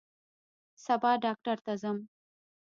سبا ډاکټر ته ځم